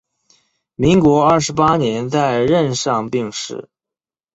民国二十八年在任上病逝。